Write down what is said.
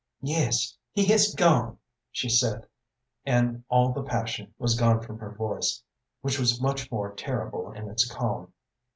"Yes, he has gone," she said, and all the passion was gone from her voice, which was much more terrible in its calm.